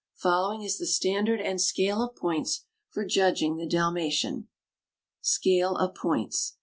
Following is the standard and scale of points for judging the Dalmatian: SCALE OF POINTS.